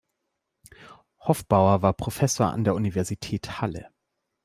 Hoffbauer war Professor an der Universität Halle.